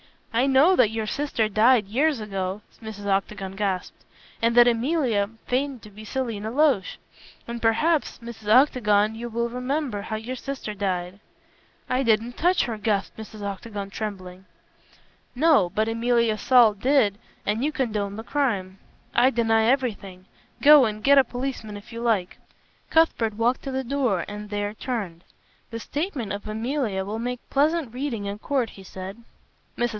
"I know that your sister died years ago," Mrs. Octagon gasped, "and that Emilia feigned to be Selina Loach. And perhaps, Mrs. Octagon, you will remember how your sister died." "I didn't touch her," gasped Mrs. Octagon, trembling. "No, but Emilia Saul did, and you condoned the crime." "I deny everything! Go and get a policeman if you like." Cuthbert walked to the door and there turned. "The statement of Emilia will make pleasant reading in court," he said. Mrs.